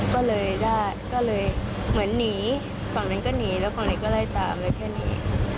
ก็เลยได้ก็เลยเหมือนหนีฝั่งนั้นก็หนีแล้วฝั่งนี้ก็ไล่ตามเลยแค่นี้ค่ะ